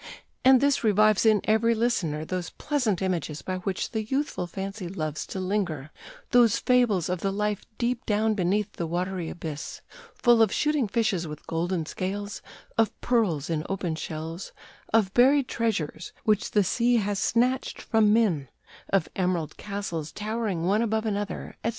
And this revives in every listener those pleasant images by which the youthful fancy loves to linger, those fables of the life deep down beneath the watery abyss, full of shooting fishes with golden scales, of pearls in open shells, of buried treasures, which the sea has snatched from men, of emerald castles towering one above another, etc.